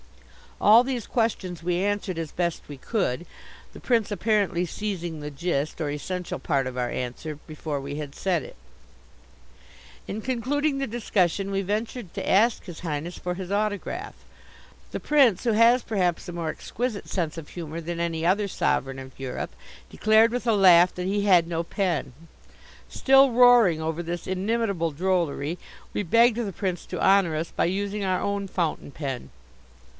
All these questions we answered as best we could, the Prince apparently seizing the gist, or essential part of our answer, before we had said it. In concluding the discussion we ventured to ask His Highness for his autograph. The Prince, who has perhaps a more exquisite sense of humour than any other sovereign of Europe, declared with a laugh that he had no pen. Still roaring over this inimitable drollery, we begged the Prince to honour us by using our own fountain pen.